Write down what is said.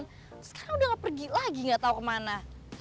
terus kan udah gak pergi lagi gak tau kemana